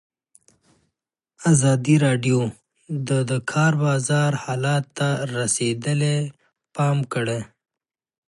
ازادي راډیو د د کار بازار حالت ته رسېدلي پام کړی.